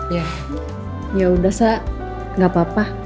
ya ya udah sha ga apa apa